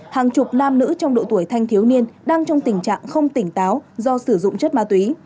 hàng chục nam nữ trong độ tuổi thanh thiếu niên đang trong tình trạng không tỉnh táo do sử dụng chất ma túy